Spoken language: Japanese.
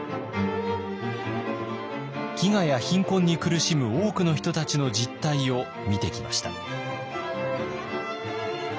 飢餓や貧困に苦しむ多くの人たちの実態を見てきました。